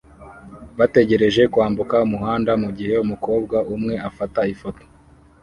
bategereje kwambuka umuhanda mugihe umukobwa umwe afata ifoto